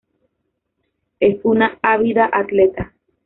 Es una ávida atleta.